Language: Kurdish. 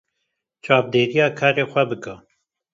çavdêrîya karê xwe bike